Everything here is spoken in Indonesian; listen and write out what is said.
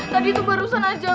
tadi itu barusan aja